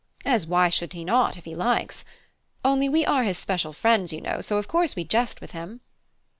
As why should he not if he likes? only we are his special friends, you know, so of course we jest with him."